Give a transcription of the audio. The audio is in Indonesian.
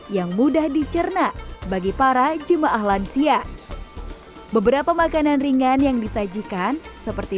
yang mudah dicerna bagi para jemaah lansia beberapa makanan ringan yang disajikan seperti